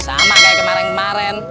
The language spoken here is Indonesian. sama kayak kemarin kemarin